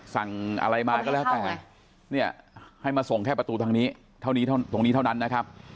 สั่งอะไรมาก็แล้วแต่เนี่ยให้มาส่งแค่ประตูทางนี้เท่านี้ตรงนี้เท่านั้นนะครับ